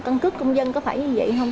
căn cứ công dân có phải như vậy hay không